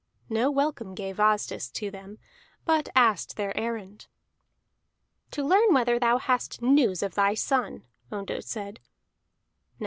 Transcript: No welcome gave Asdis to them, but asked their errand. "To learn whether thou hast news of thy son," Ondott said.